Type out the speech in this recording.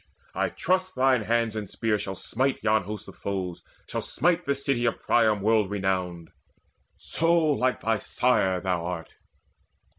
I trust Thine hands and spear shall smite yon hosts of foes, Shall smite the city of Priam world renowned So like thy sire thou art!